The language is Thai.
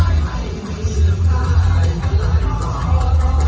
หมาพื้นมีนไม่ได้ร้านก็โห